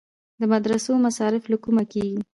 د مدرسو مصارف له کومه کیږي؟